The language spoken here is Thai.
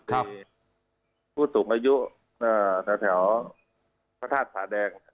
มีผู้สูงอายุแถวพระธาตุผาแดง